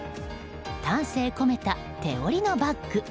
丹精込めた手織りのバッグ。